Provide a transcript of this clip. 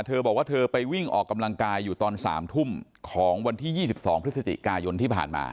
เธอบอกว่าเธอไปวิ่งออกกำลังกายอยู่ตอน๓ทุ่มของวันที่๒๒พฤศจิกายนที่ผ่านมา